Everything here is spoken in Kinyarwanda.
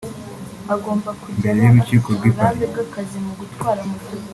Imbere y’urukiko rw’i Paris